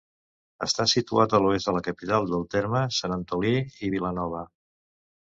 Està situat a l'oest de la capital del terme, Sant Antolí i Vilanova.